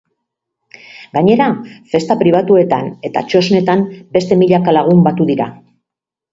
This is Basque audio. Gainera, festa pribatuetan eta txosnetan beste milaka lagun batu dira.